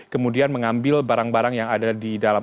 kemudian mengambil barang barang yang ada di dalam